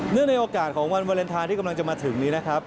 ในโอกาสของวันวาเลนไทยที่กำลังจะมาถึงนี้นะครับ